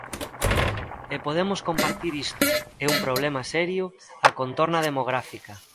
E podemos compartir isto, é un problema serio a contorna demográfica.